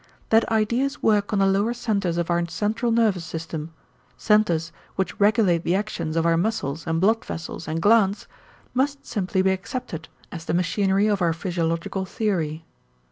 That ideas work on the lower centers of our central nervous system, centers which regulate the actions of our muscles and blood vessels and glands, must simply be accepted as the machinery of our physiological theory.